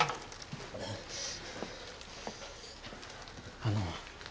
あの。